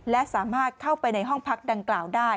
และสามารถเข้าไปในห้องพักดังกล่าวได้